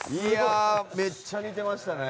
めっちゃ似てましたね。